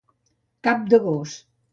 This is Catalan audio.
Cap de gos.